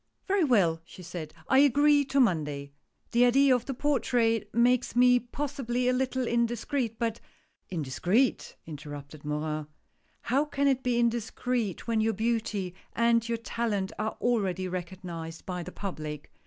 "Very well," she said, "I agree to Monday, The idea of the portrait makes me possibly a little indis creet, but "" Indiscreet !" interrupted Morin. " How can it be indiscreet, when your beauty and your talent are already recognized by the public.